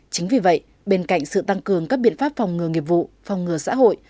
chính vì vậy bên cạnh sự tăng cường các biện pháp phòng ngừa nghiệp vụ phòng ngừa xã hội